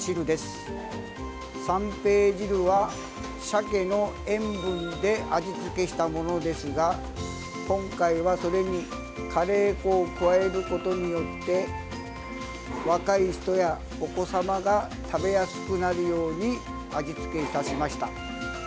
三平汁は鮭の塩分で味付けしたものですが今回は、それにカレー粉を加えることによって若い人やお子様が食べやすくなるように味付けいたしました。